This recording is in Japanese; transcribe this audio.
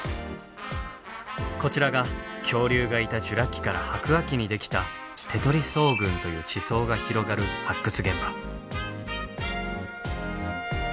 こちらが恐竜がいたジュラ紀から白亜紀にできた「手取層群」という地層が広がる発掘現場。